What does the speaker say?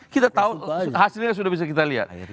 kita tahu hasilnya sudah bisa kita lihat